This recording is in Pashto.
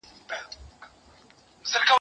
زه اجازه لرم چي وخت تېرووم؟